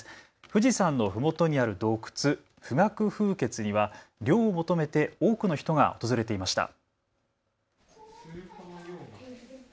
富士山のふもとにある洞窟、富岳風穴には涼を求めて多くの人が訪れていました。